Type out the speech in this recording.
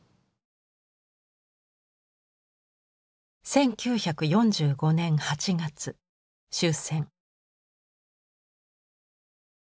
１９４５年８月終戦。